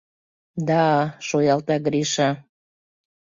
— Да-а, — шуялта Гриша.